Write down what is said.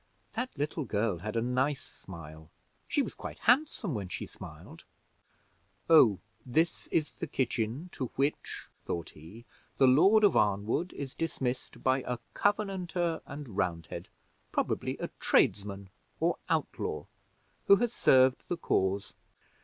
That little girl had a nice smile she was quite handsome when she smiled. Oh, this is the kitchen, to which," thought he, "the Lord of Arnwood is dismissed by a Covenanter and Roundhead, probably a tradesman or outlaw, who has served the cause.